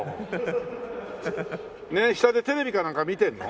下でテレビかなんか見てるの？